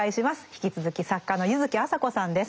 引き続き作家の柚木麻子さんです。